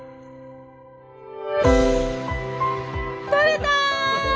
取れたー！